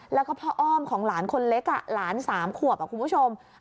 แล้วก็เพราะอ้อมของหลานคนเล็กอ่ะหลานสามขวบอ่ะคุณผู้ชม